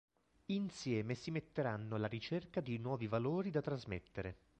Insieme si metteranno alla ricerca di nuovi valori da trasmettere.